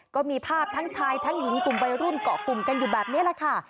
ก็มีภาพทั้งชายทั้งหญิงกลุ่มวัยรุ่นเกาะกลุ่มกันอยู่แบบนี้แหละค่ะ